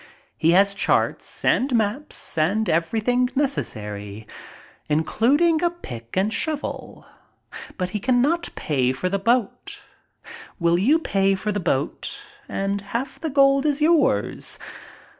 He has charts and maps and everything necessary, including a pick and shovel. But he cannot pay for the boat. Will you pay for the boat and half the gold is yours.